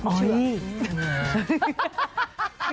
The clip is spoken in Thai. เชื่อ